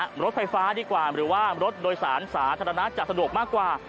รถไฟฟ้าดีกว่าหรือว่ารถโดยสารสาธารณะจะสะดวกมากกว่า